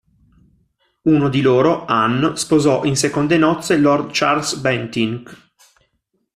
Uno di loro, Anne, sposò in seconde nozze Lord Charles Bentinck.